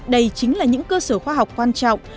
đây chính là những cơ sở khoa học quan trọng